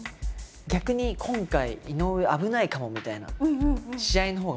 逆に今回井上危ないかもみたいな試合のほうが燃えるんですよ。